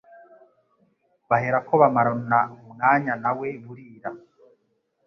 baherako bamarana umwanya na we burira."